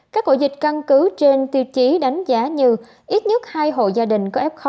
các ổ dịch căn cứ trên tiêu chí đánh giá như ít nhất hai hộ gia đình có f một